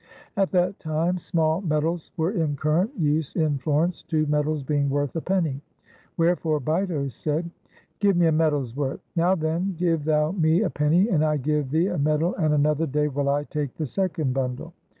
At that time small medals were in current use in Florence, two medals being worth a penny; wherefore Bito said: —" Give me a medal's worth. Now, then, give thou me a penny and I give thee a medal, and another day will I take the second bundle."